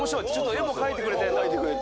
絵も描いてくれてるんだ。